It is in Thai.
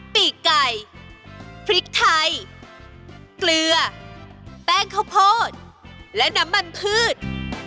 ปีกไก่พริกไทยเกลือแป้งข้าวโพดและน้ำมันพืช